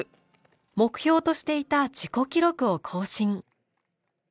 目標としていた自己記録を更新。